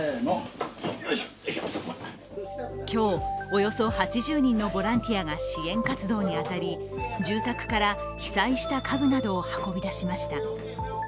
今日、およそ８０人のボランティアが支援活動に当たり住宅から被災した家具などを運び出しました。